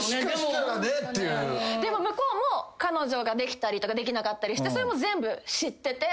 でも向こうも彼女ができたりできなかったりしてそれも全部知ってて。